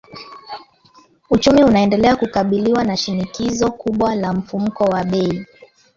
Uchumi unaendelea kukabiliwa na shinikizo kubwa la mfumuko wa bei